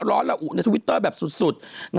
ร้อนแล้วอุ๊บในทวิตเตอร์แบบสุด